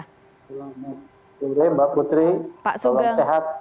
selamat sore mbak putri salam sehat